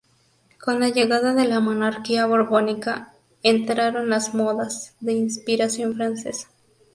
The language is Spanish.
Con la llegada de la monarquía borbónica, entraron las modas de inspiración francesa.